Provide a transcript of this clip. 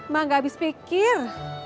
mak gak abis pikir